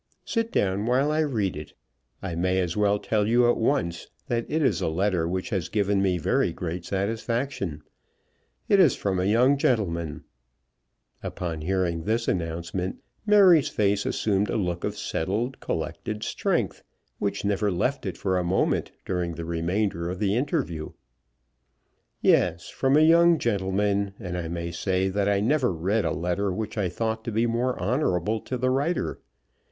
Sit down while I read it. I may as well tell you at once that it is a letter which has given me very great satisfaction. It is from a young gentleman;" upon hearing this announcement Mary's face assumed a look of settled, collected strength, which never left it for a moment during the remainder of the interview, "yes; from a young gentleman, and I may say that I never read a letter which I thought to be more honourable to the writer.